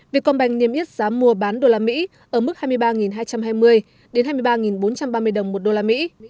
vietcombank niêm yết giá mua bán đô la mỹ ở mức hai mươi ba hai trăm hai mươi hai mươi ba bốn trăm ba mươi đồng một đô la mỹ